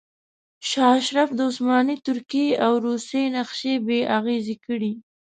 شاه اشرف د عثماني ترکیې او روسیې نقشې بې اغیزې کړې.